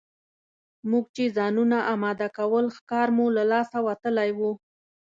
موږ چې ځانونه اماده کول ښکار مو له لاسه وتلی وو.